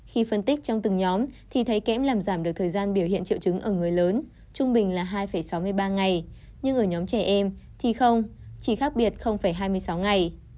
khi phân tích trong từng nhóm thì thấy kẽm làm giảm được thời gian biểu hiện triệu chứng ở người lớn trung bình là hai sáu mươi ba ngày nhưng ở nhóm trẻ em thì không chỉ khác biệt hai mươi sáu ngày